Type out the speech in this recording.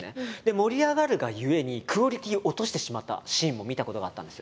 盛り上がるが故にクオリティーを落としてしまったシーンも見たことがあったんです。